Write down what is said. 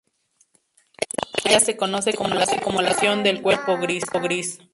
Esta regla se conoce como la "suposición del cuerpo gris".